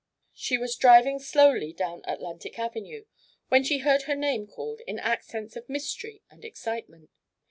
She was driving slowly down Atlantic Avenue when she heard her name called in accents of mystery and excitement.